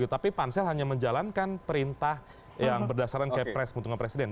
tapi pansel hanya menjalankan perintah yang berdasarkan kepres keuntungan presiden